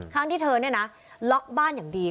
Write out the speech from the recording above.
ทั้งที่เธอเนี่ยนะล็อกบ้านอย่างดี